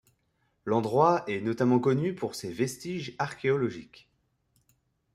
L'endroit est notamment connu pour ses vestiges archéologiques.